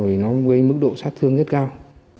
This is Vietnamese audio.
vì nó gây mức độ sát thương rất cao